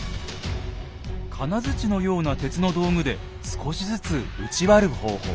金づちのような鉄の道具で少しずつ打ち割る方法。